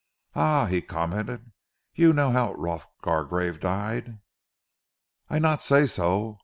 "Ah!" he commented. "You know how Rolf Gargrave died!" "I not say so!